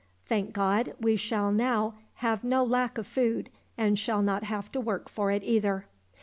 Thank God, we shall now have no lack of food, and shall not have to work for it either."